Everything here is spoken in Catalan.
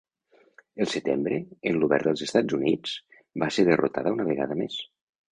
El setembre, en l'Obert dels Estats Units, va ser derrotada una vegada més.